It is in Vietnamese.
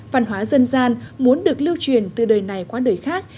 văn hóa dân gian muốn được lưu truyền từ đời này qua đời khác